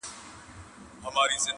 کله غل کله مُلا سي کله شیخ کله بلا سي!